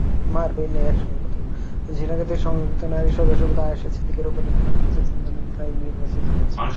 ঝিনাইগাতীর সংরক্ষিত নারী সদস্যপদে আয়েশা সিদ্দিকা রূপালি বিনা প্রতিদ্বন্দ্বিতায় নির্বাচিত হয়েছেন।